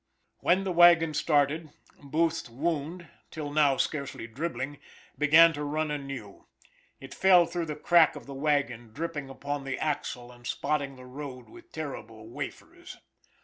When the wagon started, Booth's wound till now scarcely dribbling, began to run anew. It fell through the crack of the wagon, dripping upon the axle, and spotting the road with terrible wafers.